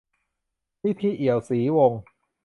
นิธิ เอียวศรีวงศ์